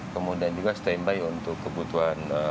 kemudian juga standby untuk kebutuhan